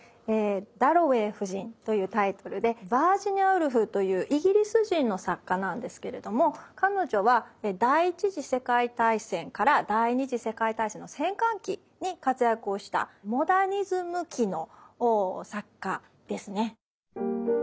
「ダロウェイ夫人」というタイトルでヴァージニア・ウルフというイギリス人の作家なんですけれども彼女は第１次世界大戦から第２次世界大戦の戦間期に活躍をしたモダニズム期の作家ですね。